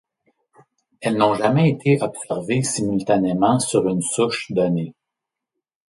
Elles n'ont jamais été observées simultanément sur une souche donnée.